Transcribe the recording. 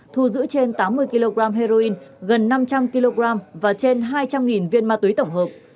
thu giữ trên tám mươi kg heroin gần năm trăm linh kg và trên hai trăm linh viên ma túy tổng hợp